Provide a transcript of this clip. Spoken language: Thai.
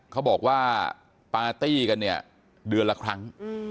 เขาบอกว่าปาร์ตี้กันเนี่ยเดือนละครั้ง